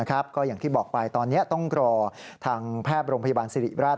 ก็อย่างที่บอกไปตอนนี้ต้องรอทางแพทย์โรงพยาบาลสิริราช